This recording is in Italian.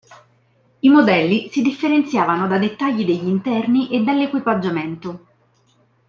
I modelli si differenziavano da dettagli degli interni e dall'equipaggiamento.